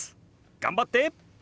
頑張って！